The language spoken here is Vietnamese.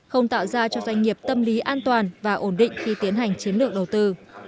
không tạo ra cho doanh nghiệp tâm lý an toàn và ổn định khi tiến hành chiến lược đầu tư